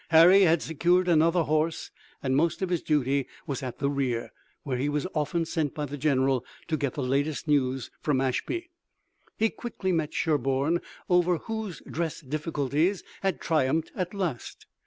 Harry had secured another horse and most of his duty was at the rear, where he was often sent by the general to get the latest news from Ashby. He quickly met Sherburne over whose dress difficulties had triumphed at last.